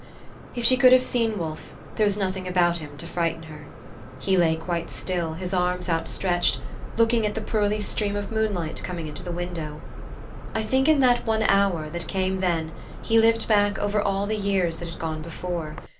If she could have seen Wolfe, there was nothing about him to frighten her. He lay quite still, his arms outstretched, looking at the pearly stream of moonlight coming into the window. I think in that one hour that came then he lived back over all the years that had gone before.